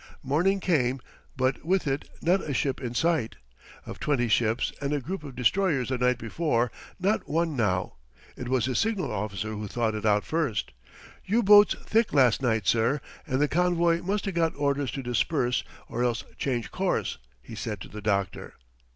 Morning came, but with it not a ship in sight. Of twenty ships and a group of destroyers the night before, not one now. It was his signal officer who thought it out first. "U boats thick last night, sir, and the convoy must 'a' got orders to disperse or else change course," he said to the doctor.